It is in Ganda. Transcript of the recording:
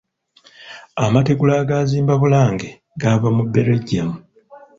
Amategula agaazimba Bulange gaava mu Belgium